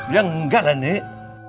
ya enggak lah nih